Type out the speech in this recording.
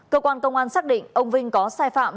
cơ quan công an xác định ông vinh có sai phạm